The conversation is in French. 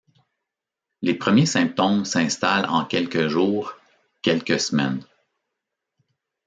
Les premiers symptômes s'installent en quelques jours, quelques semaines.